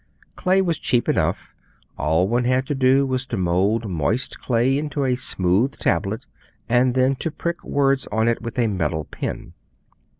Clay was cheap enough; all one had to do was to mould moist clay into a smooth tablet, and then to prick words on it with a metal pen.